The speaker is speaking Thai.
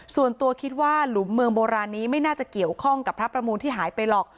ส่วนตัวคิดว่าหลุมเมืองโบราณนี้ไม่น่าจะเกี่ยวข้องกับพระประมูลที่หายไปหรอก